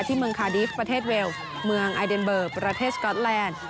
เมืองคาดีฟประเทศเวลเมืองไอเดนเบอร์ประเทศสก๊อตแลนด์